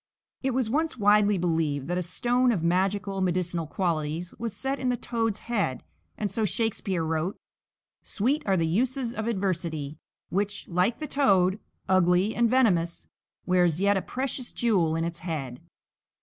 It was once widely believed that a stone of magical, medicinal qualities was set in the toad's head, and so Shakespeare wrote: "Sweet are the uses of adversity; Which, like the toad, ugly and venomous, Wears yet a precious jewel in its head."